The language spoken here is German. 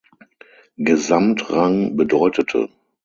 Gesamtrang bedeutete.